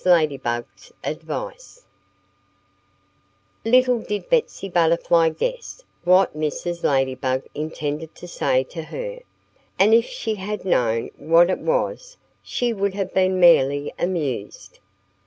LADYBUG'S ADVICE LITTLE did Betsy Butterfly guess what Mrs. Ladybug intended to say to her. And if she had known what it was she would have been merely amused.